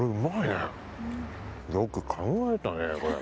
よく考えたね、これ。